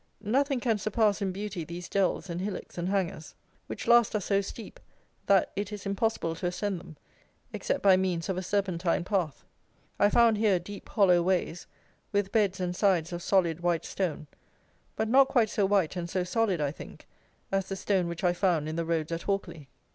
Nothing can surpass in beauty these dells and hillocks and hangers, which last are so steep that it is impossible to ascend them, except by means of a serpentine path. I found here deep hollow ways, with beds and sides of solid white stone; but not quite so white and so solid, I think, as the stone which I found in the roads at Hawkley.